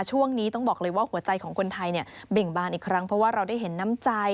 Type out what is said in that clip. ช่วงนี้ต้องบอกเลยว่าหัวใจของคนไทยเนี่ยเบ่งบานอีกครั้งเพราะว่าเราได้เห็นน้ำใจ